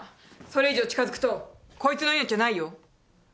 それ以上近づくとこいつの命はないよ。